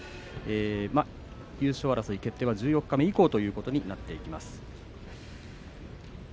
優勝争い決定は十四日目以降ということになります。